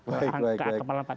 baik baik baik